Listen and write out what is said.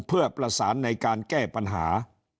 เพื่อประสานในการแก้ปัญหา